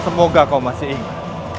semoga kau masih ingat